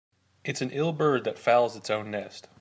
It's an ill bird that fouls its own nest.